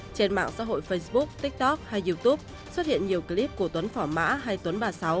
trên mạng xã hội facebook tiktok hay youtube xuất hiện nhiều clip của tuấn phỏ mã hai tuấn ba mươi sáu